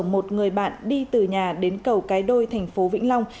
và một người bạn đi từ nhà đến cầu cái đôi tp vĩnh long